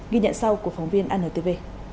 ghi nhận sau của phóng viên antv